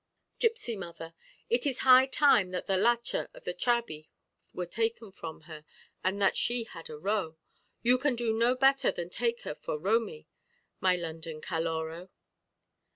Gipsy Mother It is high time that the lacha of the chabi were taken from her, and that she had a ro. You can do no better than take her for romi, my London Caloró.